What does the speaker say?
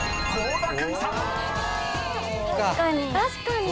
確かに。